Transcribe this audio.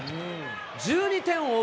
１２点を追う